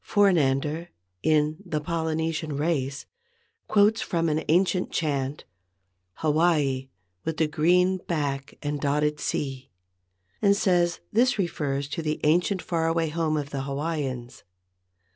For nander, in "The Polynesian Race," quotes from an ancient chant, "Hawaii with the green back and dotted sea," and says this refers to the ancient far away home of the Hawaiians.